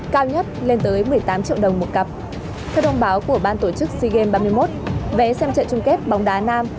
cao nhất lên tới một mươi tám triệu đồng một cặp theo thông báo của ban tổ chức sea games ba mươi một vé xem trận chung kết bóng đá nam